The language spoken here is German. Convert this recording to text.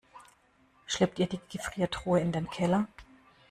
Schleppt ihr die Gefriertruhe in den Keller?